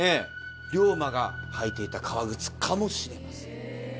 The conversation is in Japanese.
龍馬が履いていた革靴かもしれません。